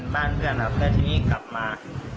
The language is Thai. บ้านเพื่อนครับแล้วทีนี้กลับมา